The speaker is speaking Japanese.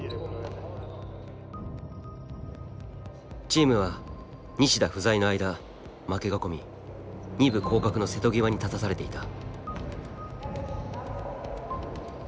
チームは西田不在の間負けが込み２部降格の瀬戸際に立たされていた。